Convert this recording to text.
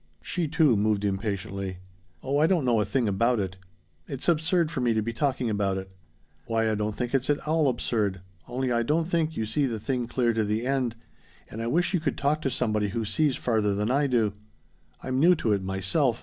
She, too, moved impatiently. "Oh I don't know a thing about it. It's absurd for me to be talking about it." "Why I don't think it's at all absurd, only I don't think you see the thing clear to the end, and I wish you could talk to somebody who sees farther than I do. I'm new to it myself.